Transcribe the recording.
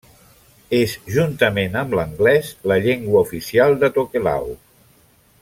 És juntament amb l'anglès la llengua oficial de Tokelau.